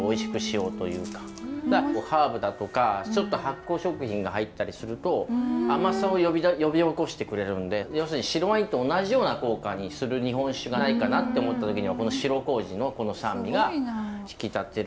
ハーブだとかちょっと発酵食品が入ったりすると甘さを呼び起こしてくれるんで要するに白ワインと同じような効果にする日本酒がないかなと思った時には白麹のこの酸味が引き立てる。